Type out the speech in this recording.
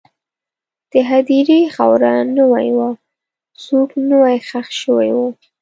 د هدیرې خاوره نوې وه، څوک نوی ښخ شوي وو.